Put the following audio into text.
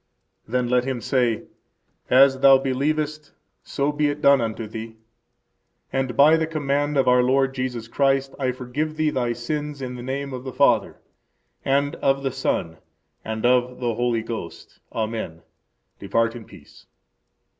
Then let him say: As thou believest, so be it done unto thee. And by the command of our Lord Jesus Christ I forgive thee thy sins, in the name of the Father and of the Son and of the Holy Ghost. Amen. Depart in peace.